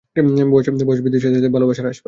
বয়স বৃদ্ধির সাথে সাথে ভালোবাসা হ্রাস পায়!